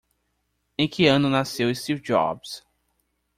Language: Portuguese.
Em que ano nasceu Steve Jobs?